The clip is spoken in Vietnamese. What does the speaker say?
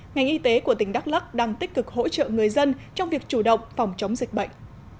ngành y tế của tỉnh đắk lắc đang tích cực hỗ trợ người dân trong việc chủ động phòng chống dịch bệnh